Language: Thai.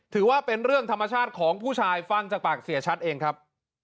ถือว่าเป็นเรื่องธรรมชาติของผู้ชายฟังจากปากเสียชัดเองครับ